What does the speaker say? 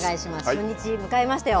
初日迎えましたよ。